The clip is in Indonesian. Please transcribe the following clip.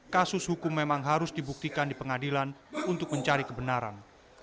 kasus hukum memang harus dibuktikan di pengadilan untuk mencari kebenaran